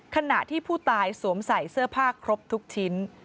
ขณะที่ผู้ตายสวมใส่เสื้อผ้าครบทุกชิ้น